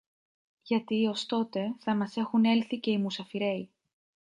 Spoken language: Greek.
Γιατί, ως τότε, θα μας έχουν έλθει και οι μουσαφιρέοι